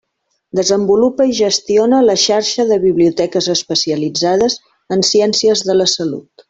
Desenvolupa i gestiona la Xarxa de Biblioteques Especialitzades en Ciències de la Salut.